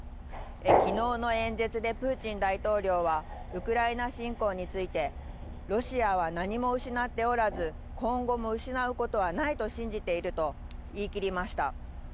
きのうの演説でプーチン大統領は、ウクライナ侵攻について、ロシアは何も失っておらず、今後も失うことはないと信じていると言い切りました。